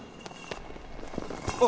あ！